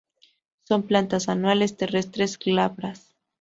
Son plantas anuales, terrestres, glabras.